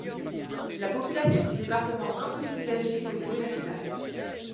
La population du département un peu plus âgée qu'au niveau national.